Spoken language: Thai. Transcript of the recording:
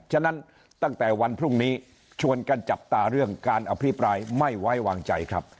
ฉะนั้นตั้งแต่วันพรุ่งนี้ชวนกันจับตาเรื่องการอภิปรายไม่ไว้วางใจครับ